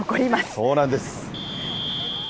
そうなんです。